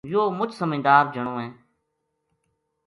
یوہ مچ سمجھدار جنو ہے‘‘